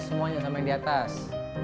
semuanya sampe diatas